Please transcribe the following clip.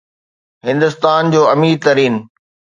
هندستان جو امير ترين